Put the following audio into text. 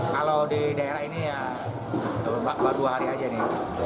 kalau di daerah ini ya dua hari saja nih